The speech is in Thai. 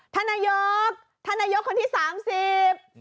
ท่านนายกท่านนายกคนที่สามสิบ